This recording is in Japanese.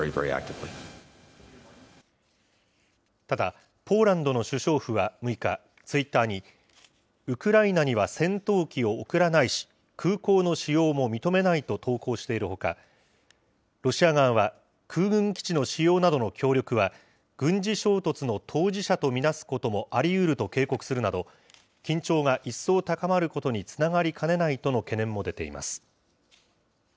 ただ、ポーランドの首相府は６日、ツイッターに、ウクライナには戦闘機を送らないし、空港の使用も認めないと投稿しているほか、ロシア側は空軍基地の使用などの協力は軍事衝突の当事者と見なすこともありうると警告するなど、緊張が一層高まることにつながりかねないとの懸念も出ています。